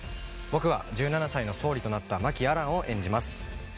僕は１７歳の総理となった真木亜蘭を演じます。